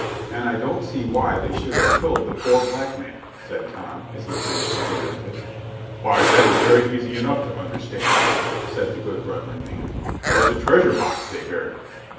"And I don't see why they should have killed the poor black man," said Tom, as he finished his narrative. "Why, that is very easy enough to understand," said the good reverend man. "'Twas a treasure box they buried!"